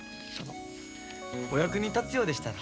お役に立つようでしたら。